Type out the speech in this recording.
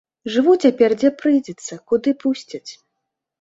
Жыву цяпер, дзе прыйдзецца, куды пусцяць.